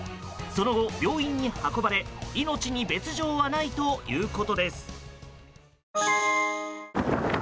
その後、病院に運ばれ命に別状はないということです。